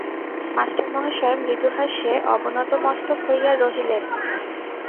Master মহাশয় মৃদুহাস্যে অবনতমস্তক হইয়া রহিলেন।